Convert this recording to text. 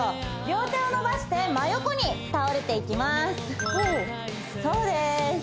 両手を伸ばして真横に倒れていきますそうです